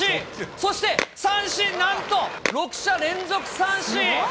そして、三振、なんと６者連続三振。